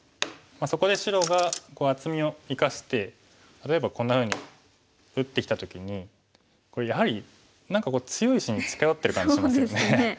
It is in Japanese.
そこで白が厚みを生かして例えばこんなふうに打ってきた時にこれやはり何か強い石に近寄ってる感じしますよね。